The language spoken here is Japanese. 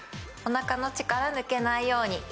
おなかの力、抜けないように。